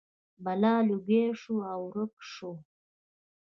بلا لوګی شو او ورک شو.